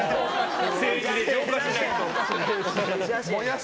セージで浄化しないと。